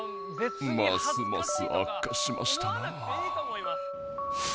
ますますあっかしましたなあ。